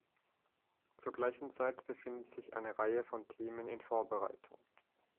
Zur gleichen Zeit befindet sich eine Reihe von Themen in Vorbereitung.